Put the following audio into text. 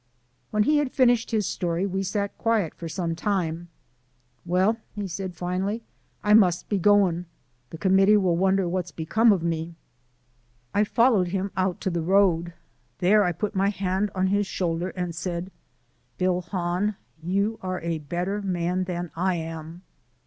When he had finished his story we sat quiet for some time. "Well," said he, finally, "I must be goin'. The committee will wonder what's become o' me." I followed him out to the road. There I put my hand on his shoulder, and said: "Bill Hahn, you are a better man than I am."